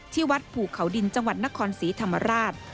วัดภูเขาดินจังหวัดนครศรีธรรมราช